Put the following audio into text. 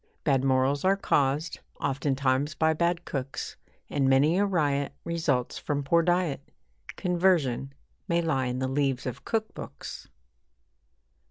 Bad morals are caused, oftentimes by bad cooks, And many a riot results from poor diet Conversion may lie in the leaves of cook books.